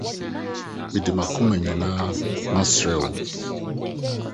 Mede m’akoma nyinaa masrɛ wo: